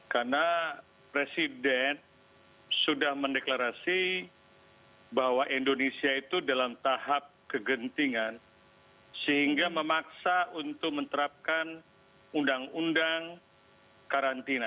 karena presiden sudah mendeklarasi bahwa indonesia itu dalam tahap kegentingan sehingga memaksa untuk menerapkan undang undang karantina